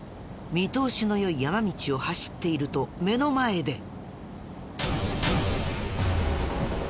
見通しの良い山道を走っていると目の前で。